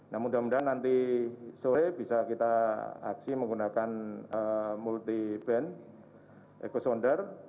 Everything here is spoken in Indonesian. nah mudah mudahan nanti sore bisa kita aksi menggunakan multi band eco sounder